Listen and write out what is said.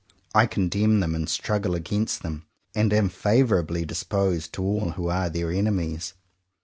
I condemn them and struggle against them; and am favourably disposed to all who are their enemies.